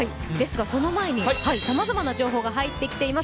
その前にさまざまな情報が入ってきています。